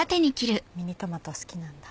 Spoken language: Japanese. ミニトマト好きなんだ？